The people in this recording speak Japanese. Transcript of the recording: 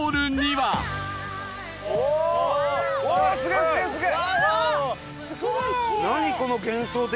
すげえすげえすげえ！